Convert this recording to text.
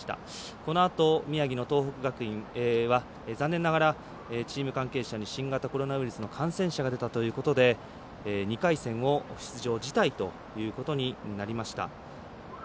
このあと、宮城の東北学院は残念ながらチーム関係者に新型コロナウイルスの感染者が出たということで２回戦を出場辞退ということになりました。